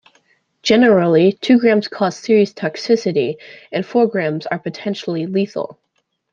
Generally, two grams cause serious toxicity and four grams are potentially lethal.